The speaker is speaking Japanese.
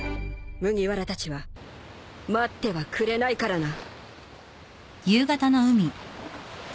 麦わらたちは待ってはくれないからな。